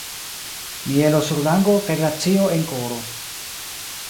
Mielo sur lango, kaj glacio en koro.